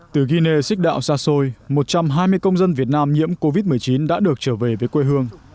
từ guinea six dao xa xôi một trăm hai mươi công dân việt nam nhiễm covid một mươi chín đã được trở về với quê hương